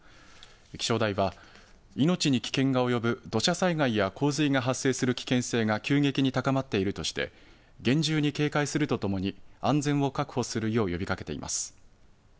気象台は命に危険が及ぶ土砂災害や洪水が発生する危険性が急激に高まっているとして、厳重に警戒するとともに安全を確保するよう呼びかけています。